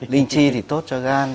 linh chi thì tốt cho gan